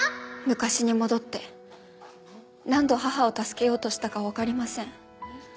昔に戻って何度母を助けようとしたかわかりません。